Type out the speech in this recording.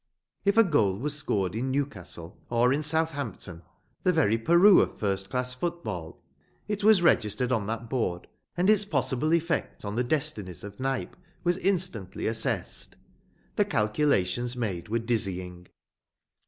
If a goal was scored in Newcastle, or in Southampton, the very Peru of first class football, it was registered on that board and its possible effect on the destinies of Knype was instantly assessed. The calculations made were dizzying.